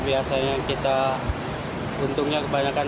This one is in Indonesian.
biasanya kita untungnya kebanyakan